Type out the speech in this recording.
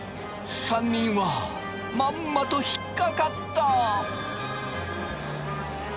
３人はまんまと引っ掛かった。